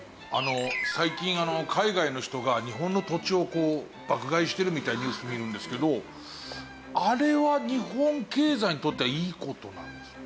最近海外の人が日本の土地を爆買いしてるみたいなニュース見るんですけどあれは日本経済にとってはいい事なんですか？